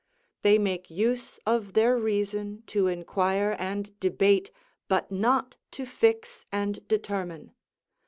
They make use of their reason to inquire and debate, but not to fix and determine.